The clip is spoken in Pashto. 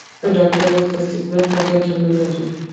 د ډاکټر له تصدیق پرته ګټه نه لري.